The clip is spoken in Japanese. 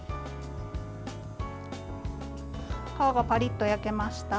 皮がパリッと焼けました。